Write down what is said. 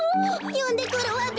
よんでくるわべ！